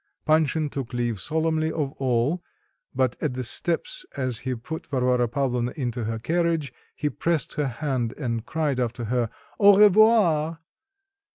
Panshin took leave solemnly of all, but at the steps as he put Varvara Pavlovna into her carriage he pressed her hand, and cried after her, "au revoir!"